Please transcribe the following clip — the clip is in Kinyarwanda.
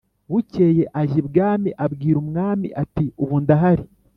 Bukeye ajya ibwami abwira umwami ati Ubu ndahari